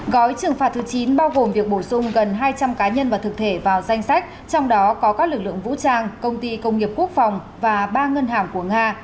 gói trừng phạt thứ chín bao gồm việc bổ sung gần hai trăm linh cá nhân và thực thể vào danh sách trong đó có các lực lượng vũ trang công ty công nghiệp quốc phòng và ba ngân hàng của nga